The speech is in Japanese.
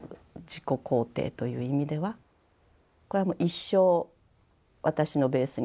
自己肯定という意味ではこれはもう一生私のベースになってる。